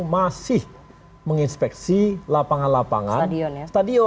masih menginspeksi lapangan lapangan stadion